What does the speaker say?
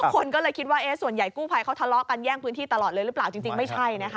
คนก็เลยคิดว่าส่วนใหญ่กู้ภัยเขาทะเลาะกันแย่งพื้นที่ตลอดเลยหรือเปล่าจริงไม่ใช่นะคะ